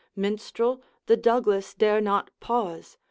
Minstrel, the Douglas dare not pause.